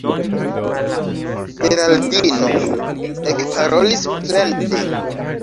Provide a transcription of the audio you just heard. Geraldino ekparolis plende: